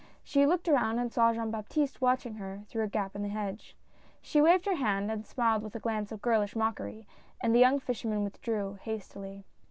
She looked around and saw Jean Baptiste watching her, through a gap in the hedge. She waved her hand, and smiled with a glance of girlish mockery, and the young flsherman withdrew, hastily.